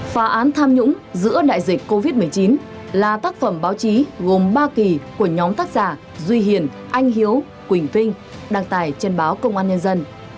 phá án tham nhũng giữa đại dịch covid một mươi chín là tác phẩm báo chí gồm ba kỳ của nhóm tác giả duy hiền anh hiếu quỳnh vinh đăng tải trên báo công an nhân dân